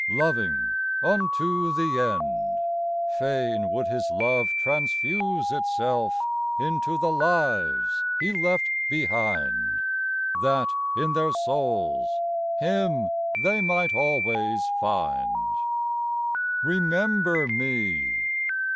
Loving unto the end, Fain would His love transfuse Itself into the lives He left behind, That in their souls Him they might always find, " Remember Me